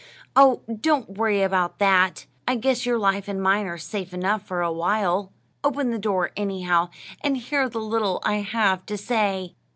"Oh, don't worry about that; I guess your life and mine are safe enough for a while. Open the door, anyhow, and hear the little I have to say."